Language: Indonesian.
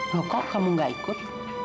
loh kok kamu gak ikut